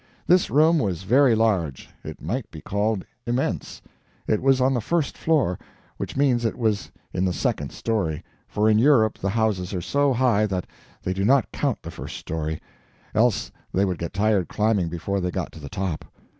This room was very large it might be called immense and it was on the first floor; which means it was in the second story, for in Europe the houses are so high that they do not count the first story, else they would get tired climbing before they got to the top.